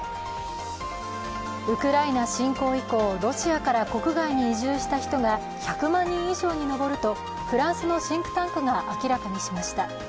ウクライナ侵攻以降、ロシアから国外に移住した人が１００万人以上に上るとフランスのシンクタンクが明らかにしました。